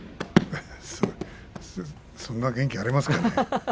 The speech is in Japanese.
そんな元気ありますかね。